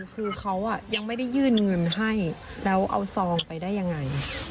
คือเขายังไม่ได้ยื่นเงินให้แล้วเอาซองไปได้ยังไง